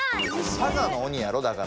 佐賀の鬼やろだから。